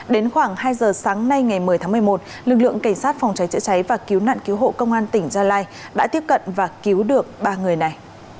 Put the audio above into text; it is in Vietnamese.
đến khoảng hai giờ sáng nay ngày một mươi tháng một mươi một lực lượng cảnh sát phòng cháy chữa cháy và cứu nạn cứu hộ công an tỉnh gia lai đã tiếp cận và cứu được ba người này